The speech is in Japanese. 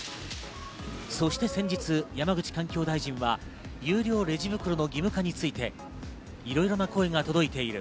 そして先日、山口環境大臣は有料レジ袋の義務化について、いろいろな声が届いている。